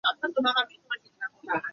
而且远距离武器作用大大降低。